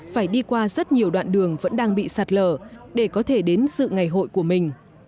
phải đi qua rất nhiều đoạn đường vẫn đang bị sạt lở để có thể đến sự ngày hội của mình